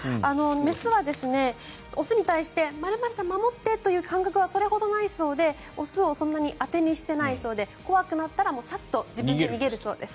雌は雄に対して○○さん守ってという感覚はそれほどないそうで雄をそんなに当てにしていないそうで怖くなったらサッと自分で逃げるそうです。